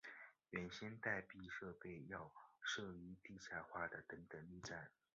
原先待避设备要设于地下化的等等力站。